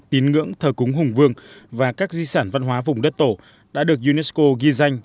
tín ngưỡng thờ cúng hùng vương và các di sản văn hóa vùng đất tổ đã được unesco ghi danh